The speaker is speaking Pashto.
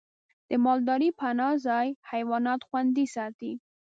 د مالدارۍ پناه ځای حیوانات خوندي ساتي.